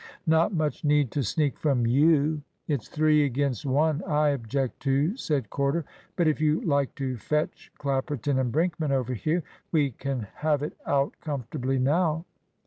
"Not much need to sneak from you. It's three against one I object to," said Corder. "But if you like to fetch Clapperton and Brinkman over here, we can have it out comfortably now."